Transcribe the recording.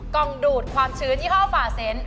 งดูดความชื้นยี่ห้อฝ่าเซนต์